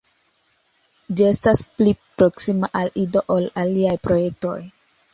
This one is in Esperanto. Ĝi estas pli proksima al Ido ol aliaj projektoj.